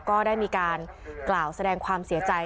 ก็ได้มีการกล่าวแสดงความเสียใจ